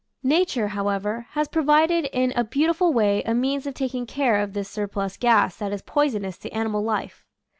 Nature, however, has provided in a beau tiful way a means of taking care of this sur plus gas that is poisonous to animal life.